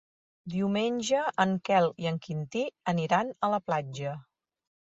Diumenge en Quel i en Quintí aniran a la platja.